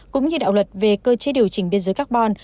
cũng như đạo luật về cơ chế điều chỉnh biên giới carbon